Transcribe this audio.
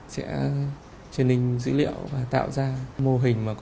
sẽ truyền hình dữ liệu và tạo ra mô hình có độ chính xác cao